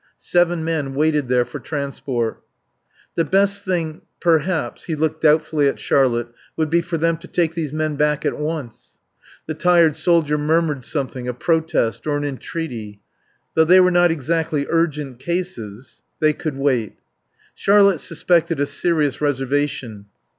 Seven men waited there for transport. The best thing perhaps He looked doubtfully at Charlotte would be for them to take these men back at once. (The tired soldier murmured something: a protest or an entreaty.) Though they were not exactly urgent cases. They could wait. Charlotte suspected a serious reservation.